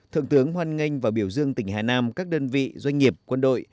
thượng tướng hoan nghênh và biểu dương tỉnh hà nam các đơn vị doanh nghiệp quân đội